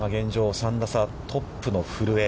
３打差トップの古江。